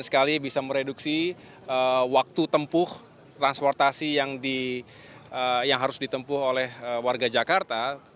sekali bisa mereduksi waktu tempuh transportasi yang harus ditempuh oleh warga jakarta